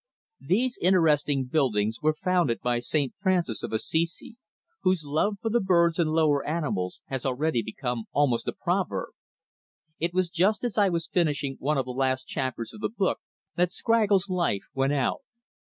These interesting buildings were founded by Saint Francis of Assisi, whose love for the birds and lower animals has already become almost a proverb. It was just as I was finishing one of the last chapters of the book that Scraggles' life went out.